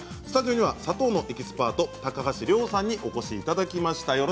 スタジオには砂糖のエキスパート高橋諒さんにお越しいただきました。